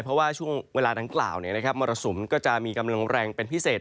เพราะว่าช่วงเวลานั้นกล่าวเนี้ยนะครับมรสุมก็จะมีกำลังแรงเป็นพิเศษ